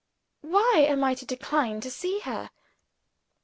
"Why am I to decline to see her?"